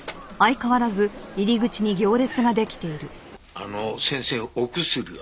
あの先生お薬は？